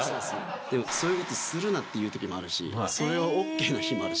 でもそういうことするなっていうときもあるし、それはＯＫな日もあるし。